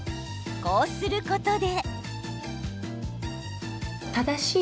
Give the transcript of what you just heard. こうすることで。